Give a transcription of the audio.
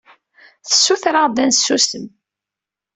Tessuter-aɣ-d ad nsusem.